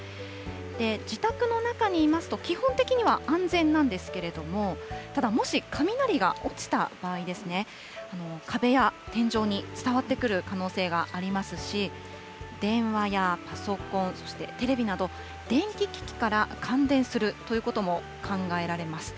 自宅の中にいますと、基本的には安全なんですけれども、ただもし、雷が落ちた場合ですね、壁や天井に伝わってくる可能性がありますし、電話やパソコン、そしてテレビなど、電気機器から感電するということも考えられます。